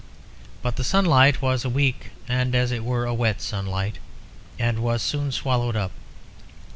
But the sunlight was a weak and, as it were, a wet sunlight, and was soon swallowed up.